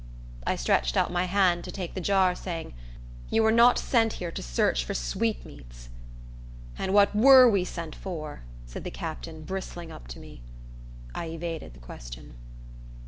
I stretched out my hand to take the jar, saying, "You were not sent here to search for sweetmeats." "And what were we sent for?" said the captain, bristling up to me. I evaded the question.